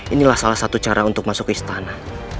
inilah salah satu cara untuk masuk ke istana